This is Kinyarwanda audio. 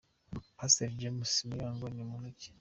Pasiteri James Muyango ni muntu ki ?.